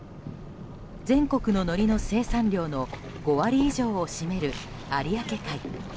全国ののりの生産量の５割以上を占める有明海。